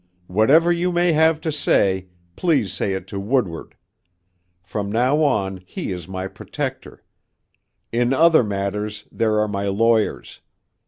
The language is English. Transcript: Whatever you may have to say, please say it to Woodward. From now on he is my protector. In other matters there are my lawyers.